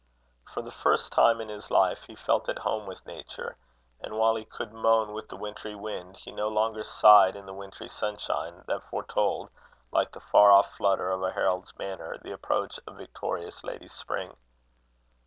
For the first time in his life, he felt at home with nature; and while he could moan with the wintry wind, he no longer sighed in the wintry sunshine, that foretold, like the far off flutter of a herald's banner, the approach of victorious lady spring.